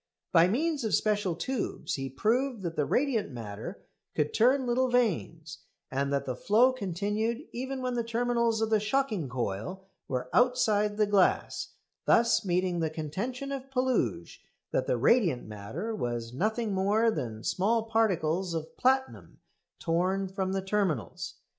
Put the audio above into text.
By means of special tubes he proved that the "radiant matter" could turn little vanes, and that the flow continued even when the terminals of the shocking coil were outside the glass, thus meeting the contention of Puluj that the radiant matter was nothing more than small particles of platinum torn from the terminals.